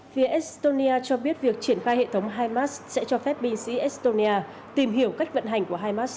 phía estonia cho biết việc triển khai hệ thống hamas sẽ cho phép binh sĩ estonia tìm hiểu cách vận hành của hamas